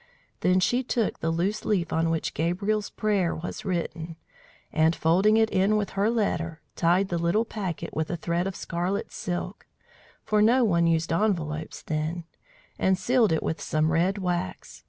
Then she took the loose leaf on which Gabriel's prayer was written, and, folding it in with her letter, tied the little packet with a thread of scarlet silk (for no one used envelopes then), and sealed it with some red wax.